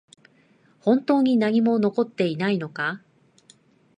本当に何も残っていないのか？